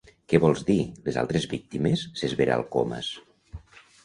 Què vols dir, les altres víctimes? —s'esvera el Comas.